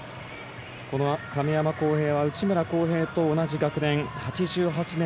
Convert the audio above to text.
この亀山耕平は内村航平と同じ学年。